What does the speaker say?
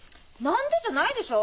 何でじゃないでしょ。